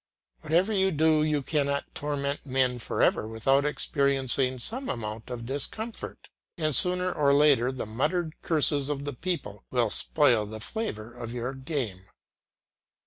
Whatever you do, you cannot torment men for ever without experiencing some amount of discomfort; and sooner or later the muttered curses of the people will spoil the flavour of your game.